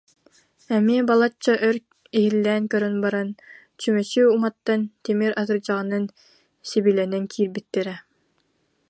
Эмиэ балачча өр иһиллээн көрөн баран чүмэчи уматтан, тимир атырдьаҕынан сэбилэнэн киирбиттэрэ